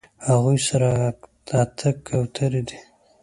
هغوی سره اتۀ کوترې دي